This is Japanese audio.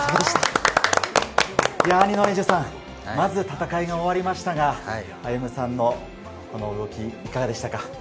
兄の英樹さん、まず戦いが終わりましたが、歩夢さんの動きいかがでしたか？